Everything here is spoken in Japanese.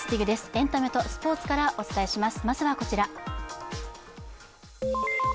エンタメとスポーツからお伝えします。